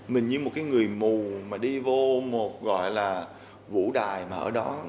mình như một cái người mù mà đi vô một gọi là vũ đài mà ở đó